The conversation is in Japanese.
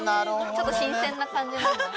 ちょっと新鮮な感じなんだ。